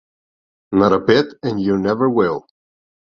Not a bit, and you never will.